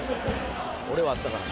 俺は会ったからね」